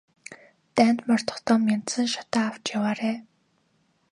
Дайнд мордохдоо мяндсан шатаа авч яваарай.